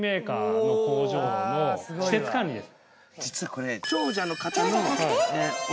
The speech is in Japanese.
実はこれ。